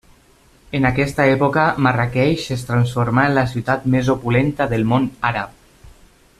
En aquesta època, Marràqueix es transformà en la ciutat més opulenta del món àrab.